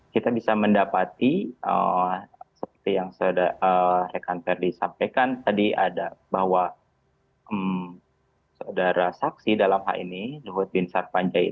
kita bisa mendapati seperti yang rekan ferdi sampaikan tadi ada bahwa saudara saksi dalam hal ini luhut bin sarpanjaitan